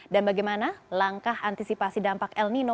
dan bagaimana langkah antisipasi dampak el nino